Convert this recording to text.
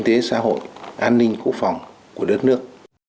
đối với thế hệ xã hội an ninh khu phòng của đất nước